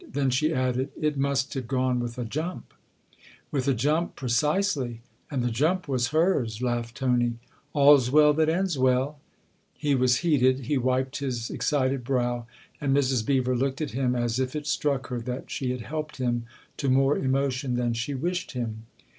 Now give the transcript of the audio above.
Then she added : "It must have gone with a jump !"" With a jump, precisely and the jump was hers !" laughed Tony. " All's well that ends well !" He was heated he wiped his excited brow, and Mrs. Beever looked at him as if it struck her that she had helped him to more emotion than she wished him.